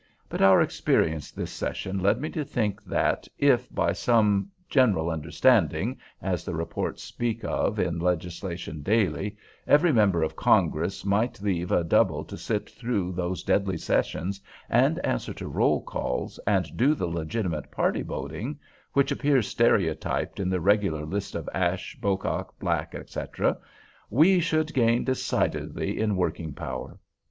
But our experience this session led me to think, that if, by some such "general understanding" as the reports speak of in legislation daily, every member of Congress might leave a double to sit through those deadly sessions and answer to roll calls and do the legitimate party voting, which appears stereotyped in the regular list of Ashe, Bocock, Black, etc., we should gain decidedly in working power.